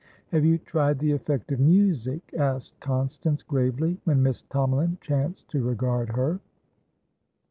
"Have you tried the effect of music?" asked Constance, gravely, when Miss Tomalin chanced to regard her.